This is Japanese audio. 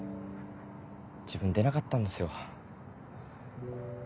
自分出なかったんですよ。